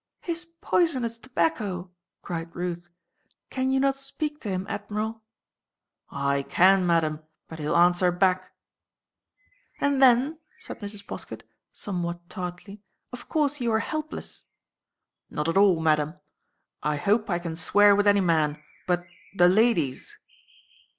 "His poisonous tobacco!" cried Ruth. "Can you not speak to him, Admiral?" "I can, Madam, but he'll answer back." "And then," said Mrs. Poskett somewhat tartly, "of course you are helpless." "Not at all, ma'am. I hope I can swear with any man; but—the ladies!"